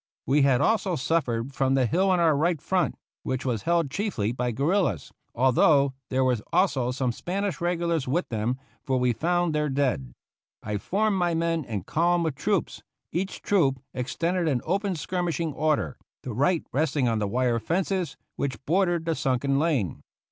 We had also suffered from the hill on our right front, which was held chiefly by guerillas, although there were also some Spanish regulars with them, for we found their dead. I formed my men in column of troops, each troop extended in open skirmishing order, the right resting on the wire fences which bordered the sunken lane.